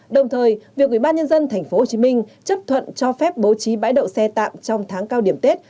đồng thời việc ubnd tp hcm chấp thuận cho phép bố trí bãi đậu xe tạm trong tháng cao điểm tết